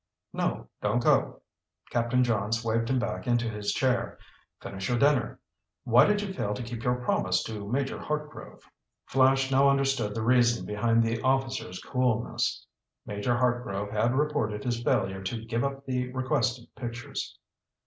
"No, don't go." Captain Johns waved him back into his chair. "Finish your dinner. Why did you fail to keep your promise to Major Hartgrove?" Flash now understood the reason behind the officer's coolness. Major Hartgrove had reported his failure to give up the requested pictures.